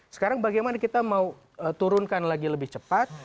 sekarang bagaimana kita mau turunkan lagi lebih cepat